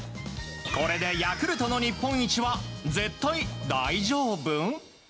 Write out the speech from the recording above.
これでヤクルトの日本一は絶対大丈夫？